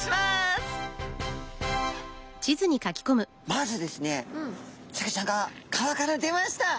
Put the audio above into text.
まずですねサケちゃんが川から出ました。